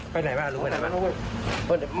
ไปไหนบ้างรู้ไหมไปไหนบ้าง